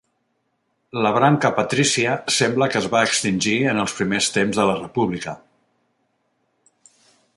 La branca patrícia sembla que es va extingir en els primers temps de la República.